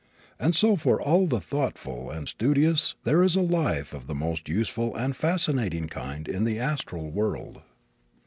And so for all the thoughtful and studious there is a life of the most useful and fascinating kind in the astral world.